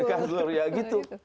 kasur ya gitu